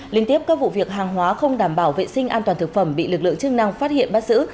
liên tiếp các vụ việc hàng hóa không đảm bảo vệ sinh an toàn thực phẩm bị lực lượng chức năng phát hiện bắt giữ